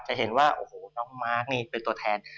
จะเห็นว่าโอ้โหน้องมาร์คนี่เป็นตัวแทน